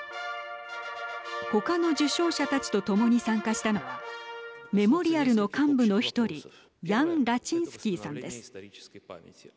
他の受賞者たちと共に参加したのはメモリアルの幹部の１人ヤン・ラチンスキーさんです。